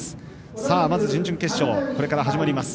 さあ、まず準々決勝がこれから始まります。